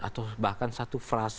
atau bahkan satu frase pun